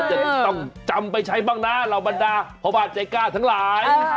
จะต้องจำไปใช้บ้างนะเหล่าบรรดาพ่อบ้านใจกล้าทั้งหลาย